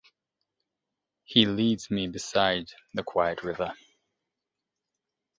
He leads me beside the quiet river.